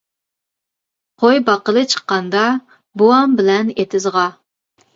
قوي باققىلى چىققاندا، بوۋام بىلەن ئېتىزغا.